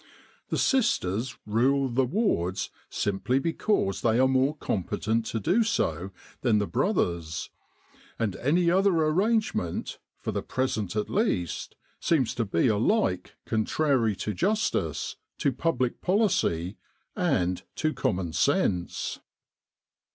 The sisters rule the wards simply because they are more competent to do so than the brothers ; and any other arrangement, for the present at least, seems to be alike contrary to justice, to public policy, and to common sense.